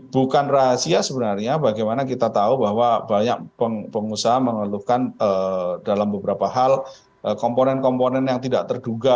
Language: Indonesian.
bukan rahasia sebenarnya bagaimana kita tahu bahwa banyak pengusaha mengeluhkan dalam beberapa hal komponen komponen yang tidak terduga